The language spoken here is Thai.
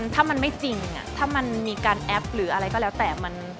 ถ้ามันไม่จริงถ้ามันมีการแอปหรืออะไรก็แล้วแต่